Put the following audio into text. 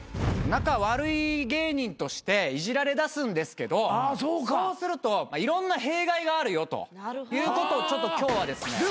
仲悪い芸人としていじられだすんですけどそうするといろんな弊害があるよということを今日はですね。